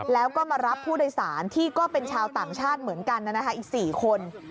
แล้วก็มารับผู้โดยสารที่ก็เป็นชาวต่างชาติเหมือนกันอีก๔คน